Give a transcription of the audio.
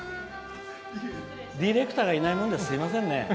ディレクターがいないもんですいませんね。